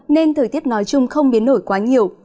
nên thời tiết nói chung không biến nổi quá nhiều